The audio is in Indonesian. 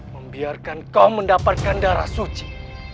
membiarkan kau mendapatkan darah suci